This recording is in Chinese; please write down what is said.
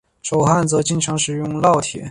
手焊则经常使用烙铁。